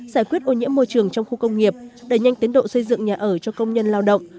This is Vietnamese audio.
giải quyết ô nhiễm môi trường trong khu công nghiệp đẩy nhanh tiến độ xây dựng nhà ở cho công nhân lao động